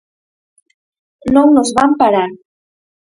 Non nos van parar.